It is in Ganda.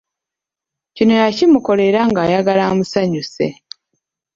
Kino yakimukolera nga ayagala amusanyuse.